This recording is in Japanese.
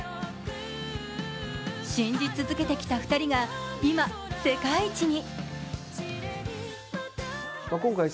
信じ続けてきた２人が今、世界一に。